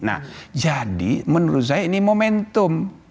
nah jadi menurut saya ini momentum